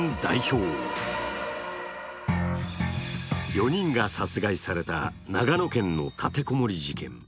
４人が殺害された長野県の立てこもり事件。